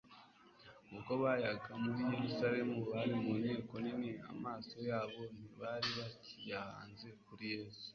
Ubwo bayaga muri Yerusalemu, bari mu nteko nini, amaso yabo ntibari bakiyahanze kuri Yesu.